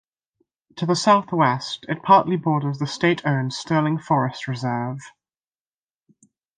To the southwest, it partly borders the state-owned Sterling Forest reserve.